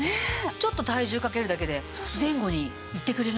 ちょっと体重かけるだけで前後にいってくれるもんね。